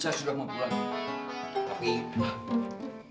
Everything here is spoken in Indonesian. saya sudah mau pulang